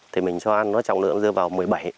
thì mình cho ăn nó trọng lượng dư vào một mươi bảy hai mươi